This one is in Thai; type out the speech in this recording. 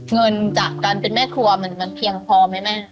เงินจากการเป็นแม่ครัวมันเพียงพอไหมแม่